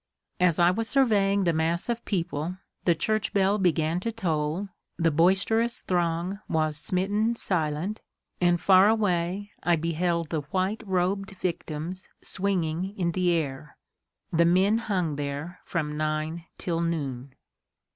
As I was surveying the mass of people, the church bell began to toll, the boisterous throng was smitten silent, and far away I beheld the white robed victims swinging in the air. The men hung there from nine till noon.